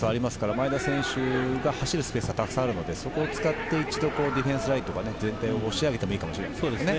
前田選手が走るスペースはたくさんあるので、そこを使ってディフェンスラインを一度、押し上げてもいいかもしれません。